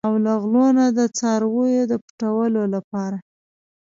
او له غلو نه د څارویو د پټولو لپاره.